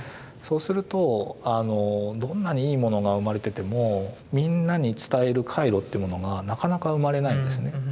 そうするとどんなにいいものが生まれててもみんなに伝える回路ってものがなかなか生まれないんですね。